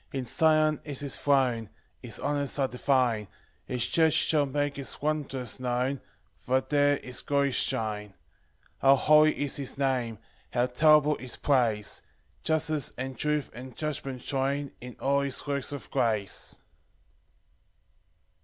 3 In Zion is his throne, His honours are divine; His church shall make his wonders known, For there his glories shine. 4 How holy is his Name! How terrible his praise! Justice, and truth, and judgment join In all his works of grace.